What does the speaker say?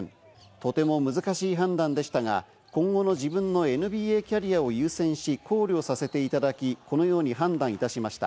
とても難しい判断でしたが、今後の自分のＮＢＡキャリアを優先し、考慮させていただき、このように判断いたしました。